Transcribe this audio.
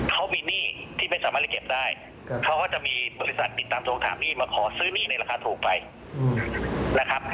เขามีหนี้ที่ไม่สามารถจะเก็บได้เขาก็จะมีบริษัทติดตามทวงถามหนี้มาขอซื้อหนี้ในราคาถูกไปนะครับ